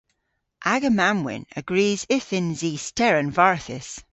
Aga mamm-wynn a grys yth yns i steren varthys.